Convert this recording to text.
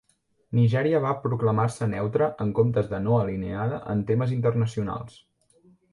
Nigèria va proclamar-se "neutra" en comptes de "no alineada" en temes internacionals.